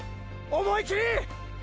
思いきり！！